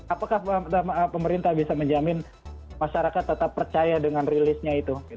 apakah pemerintah bisa menjamin masyarakat tetap percaya dengan rilisnya itu